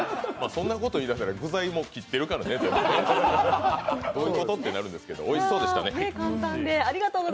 そんなこと言ったら具材も切ってるからね、どういうこと？ってなるんですけどおいしそうでしたね。